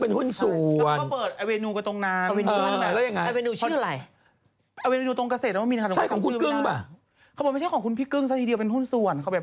เอาตั้งแต่เลิกตอนกับฟิตเน็ตทำไมไม่ต้องไปเปิดที่เดียวกัน